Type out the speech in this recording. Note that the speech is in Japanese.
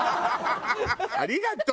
ありがとう！